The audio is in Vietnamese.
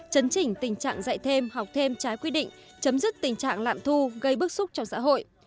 chấn chỉnh tình trạng dạy thêm học thêm trái quy định chấm dứt tình trạng lạm thu gây bức xúc cho xã hội